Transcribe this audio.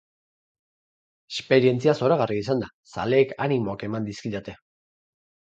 Esperientzia zoragarria izan da, zaleek animoak eman dizkidate.